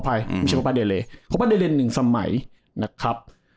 ขออภัยอืมไม่ใช่ประเด็นเลยประเด็นหนึ่งสมัยนะครับ